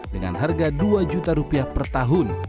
dengan harga dua juta rupiah per tahun